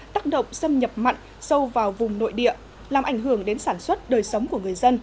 tác động xâm nhập mặn sâu vào vùng nội địa làm ảnh hưởng đến sản xuất đời sống của người dân